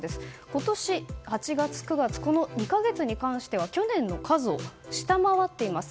今年、８月、９月この２か月に関しては去年の数を下回っています。